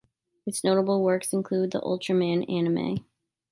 It's notable works include "The Ultraman" anime.